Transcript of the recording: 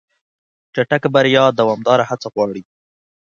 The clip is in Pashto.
چټک بریا دوامداره هڅه غواړي.